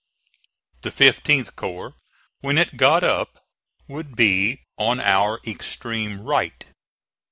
The 15th corps, when it got up, would be on our extreme right.